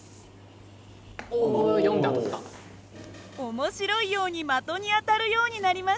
面白いように的に当たるようになりました。